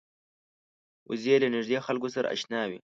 وزې له نږدې خلکو سره اشنا وي